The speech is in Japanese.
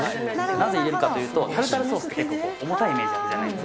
なぜ入れるかというと、タルタルソースって結構、重たいイメージあるじゃないですか。